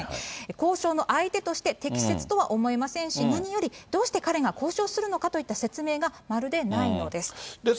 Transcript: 交渉の相手として適切とは思えませんし、何よりどうして彼が交渉するのかといった説明がまるでないのです。